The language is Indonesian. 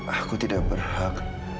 aku tidak berhak